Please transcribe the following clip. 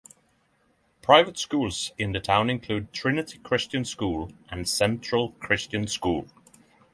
Private schools in the town include Trinity Christian School and Central Christian School.